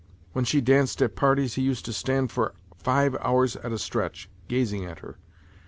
When she danced at parties he used to stand for five hours at a stretch, gazing at her.